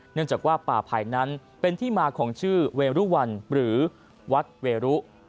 เนื่องจากว่าป่าไผ่นั้นเป็นที่มาของชื่อเวรุวันหรือวัดเวรุ